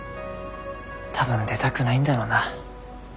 多分出たくないんだろうな。